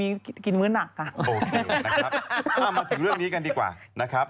โอเคนะครับมาถึงเรื่องนี้กันดีกว่า